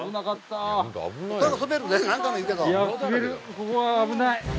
ここは危ない。